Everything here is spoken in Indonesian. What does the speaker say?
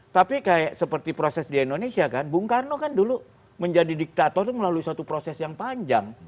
tapi seperti proses di indonesia kan bung karno kan dulu menjadi diktator itu melalui suatu proses yang panjang